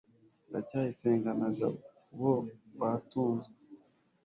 ndacyayisenga na jabo batunzwe